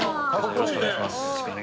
よろしくお願いします。